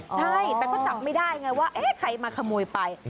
ใช่แต่ก็จับไม่ได้ไงว่าเอ๊ะใครมาขโมยไป